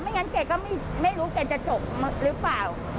งั้นแกก็ไม่รู้แกจะจบหรือเปล่า